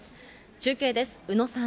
中継です、宇野さん。